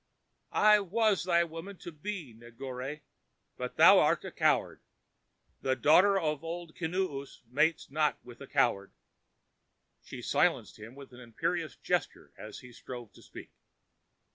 "I was thy woman to be, Negore, but thou art a coward; the daughter of Old Kinoos mates not with a coward!" She silenced him with an imperious gesture as he strove to speak.